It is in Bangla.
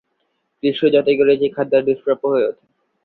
গ্রীষ্ম যতই গড়িয়ে যায়, খাদ্য আরও দুষ্প্রাপ্য হয়ে ওঠে।